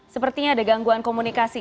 sepertinya ada gangguan komunikasi